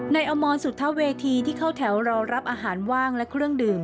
อมรสุทธเวทีที่เข้าแถวรอรับอาหารว่างและเครื่องดื่ม